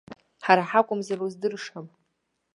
Ҳара ҳакәымзар уздыршам!